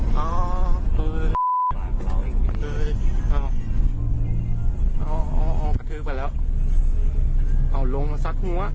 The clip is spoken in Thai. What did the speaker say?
จากที่อ๋อล่ะอ๋อเออเออทูกไปแล้วเอาลงสักมั้ย